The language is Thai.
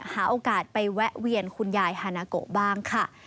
หาโอกาสไปแวะเวียนคุณยายฮานาโกะบ้างค่ะ